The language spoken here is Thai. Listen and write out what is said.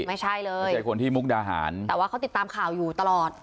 ไม่ใช่เลยไม่ใช่คนที่มุกดาหารแต่ว่าเขาติดตามข่าวอยู่ตลอด